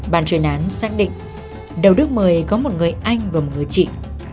bàn truyền án xác định đậu đức một mươi có một người anh và một người chị